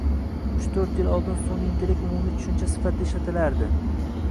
uch to'rt yil oldin sunʼiy intellekt umumiy tushuncha sifatida ishlatilinar edi.